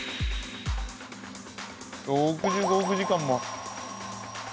６５億時間も。